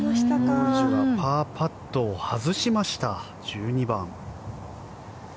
キム・ヒョージュはパーパットを外しました１２番。